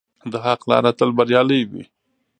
د حق لاره تل بریالۍ وي.